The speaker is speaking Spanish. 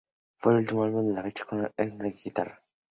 Fue el último álbum, a la fecha, con Ed Carlson en la guitarra.